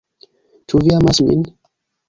"Ĉu vi amas min?"